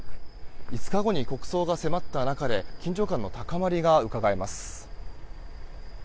５日後に国葬が迫った中で緊張感の高まりがうかがえます。